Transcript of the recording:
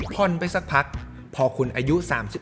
ผ่อนไปสักพักพอคุณอายุ๓๑